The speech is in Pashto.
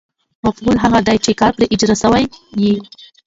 مفعول هغه دئ، چي کار پر اجراء سوی يي.